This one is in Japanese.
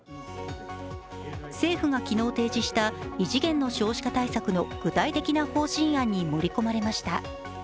政府が昨日提示した異次元の少子化対策の具体的な方針案に盛り込まれました。